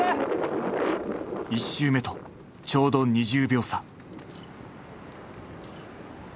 １周目とちょうど２０秒差。